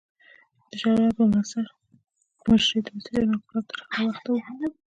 د جل عبدالناصر په مشرۍ د مصریانو انقلاب تر هغه وخته و.